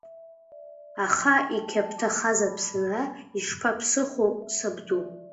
Аха иқьаԥҭахаз Аԥсынра ишԥаԥсыхәо сабду?